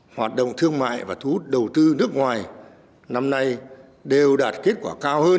hoạt động thương mại và thú đầu tư nước ngoài năm nay đều đạt kết quả cao hơn so với dự kiến